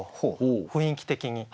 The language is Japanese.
雰囲気的に。